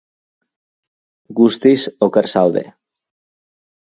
Guztiz oker zaude.